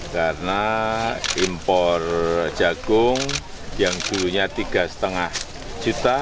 karena impor jagung yang dulunya tiga lima juta